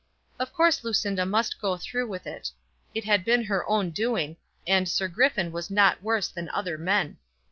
Of course Lucinda must go through with it. It had been her own doing, and Sir Griffin was not worse than other men.